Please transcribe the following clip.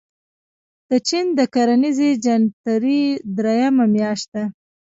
د چين د کرنیزې جنترې درېیمه میاشت ده.